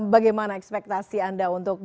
bagaimana ekspektasi anda untuk